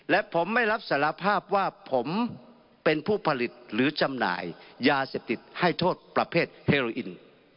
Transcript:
และผมไม่รับสารภาพว่าผมเป็นผู้ผลิตหรือจำหน่ายยาเสพติดให้โทษประเภทเฮโรอิน